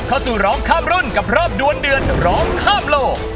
ร้องข้ามรุ่นกับรอบดวนเดือดร้องข้ามโลก